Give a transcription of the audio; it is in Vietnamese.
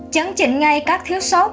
chấn chỉnh ngay các thiếu xấu